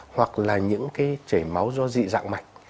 hoặc là những cái chảy máu do dị dạng mạch